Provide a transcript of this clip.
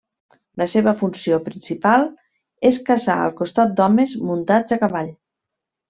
La seva funció principal és caçar al costat d'homes muntats a cavall.